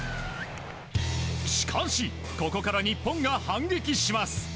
しかし、ここから日本が反撃します。